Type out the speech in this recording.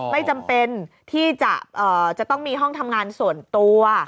ไม่จำเป็นที่จะต้องมีห้องทำงานส่วนตัว